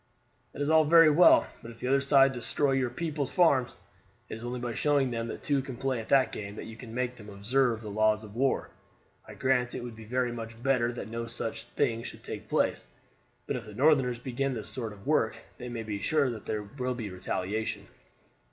"That is all very well, but if the other side destroy your people's farms, it is only by showing them that two can play at the game that you can make them observe the laws of war. I grant it would be very much better that no such thing should take place; but if the Northerners begin this sort of work they may be sure that there will be retaliation.